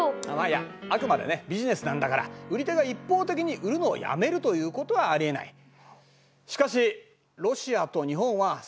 あっまあいやあくまでねビジネスなんだから売り手が一方的に売るのをやめるということはありえない。